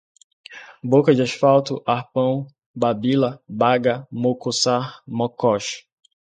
boca de asfalto, arpão, babila, baga, mocosar, mocós